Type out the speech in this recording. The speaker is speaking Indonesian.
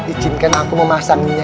ijinkan aku memasangnya